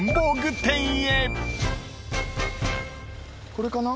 これかな？